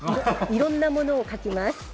いろんなものを描きます。